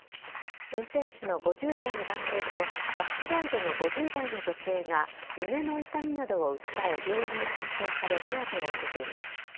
運転手の５０代の男性とバスガイドの５０代の女性が胸の痛みなどを訴え病院に搬送され手当てを受けています。